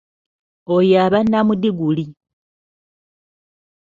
Oyo aba nnamudiguli.